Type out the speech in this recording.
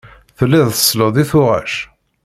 Telliḍ tselleḍ i tuɣac.